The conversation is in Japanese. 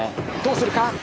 どうするか？